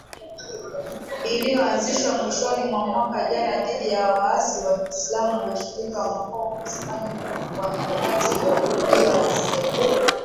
iliyoanzishwa mwishoni mwa mwaka jana dhidi ya waasi wa kiislam mashariki mwa Kongo msemaji wa mikakati hiyo alisema